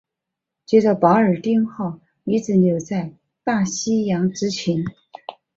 接着保尔丁号一直留在大西洋执勤。